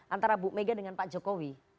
antara bu mega dengan pak jokowi